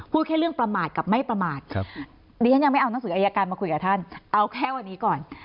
แค่เรื่องประมาทกับไม่ประมาทดิฉันยังไม่เอาหนังสืออายการมาคุยกับท่านเอาแค่วันนี้ก่อน